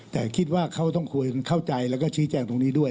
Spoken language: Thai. แต่คิดว่าเขาต้องคุยเข้าใจแล้วก็ชี้แจงตรงนี้ด้วย